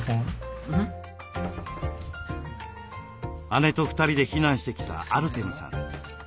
姉と２人で避難してきたアルテムさん。